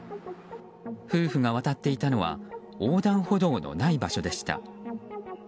夫婦が渡っていたのは横断歩道のない場所でした。